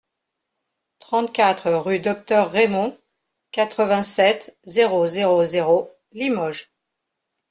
trente-quatre rue Docteur Raymond, quatre-vingt-sept, zéro zéro zéro, Limoges